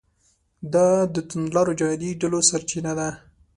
دا د توندلارو جهادي ډلو سرچینه ده.